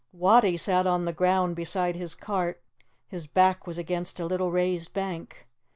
Wattie sat on the ground beside his cart; his back was against a little raised bank.